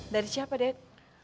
dari siapa dad